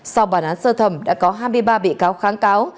sau bản án sơ thẩm đã có hai mươi ba bị cáo kháng cáo